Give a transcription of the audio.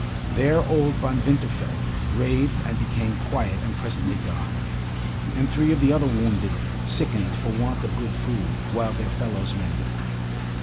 There old Von Winterfeld raved and became quiet and presently died, and three of the other wounded sickened for want of good food, while their fellows mended.